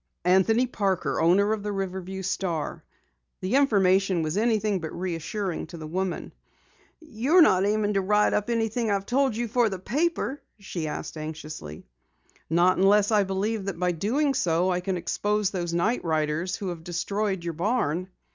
"Anthony Parker, owner of the Riverview Star." The information was anything but reassuring to the woman. "You're not aiming to write up anything I've told you for the paper?" she asked anxiously. "Not unless I believe that by doing so I can expose these night riders who have destroyed your barn."